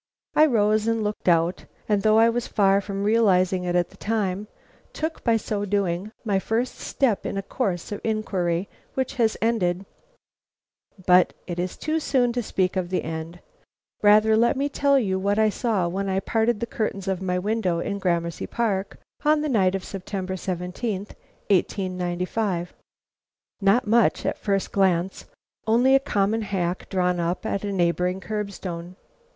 I rose and looked out, and though I was far from realizing it at the time, took, by so doing, my first step in a course of inquiry which has ended But it is too soon to speak of the end. Rather let me tell you what I saw when I parted the curtains of my window in Gramercy Park, on the night of September 17, 1895. Not much at first glance, only a common hack drawn up at the neighboring curb stone.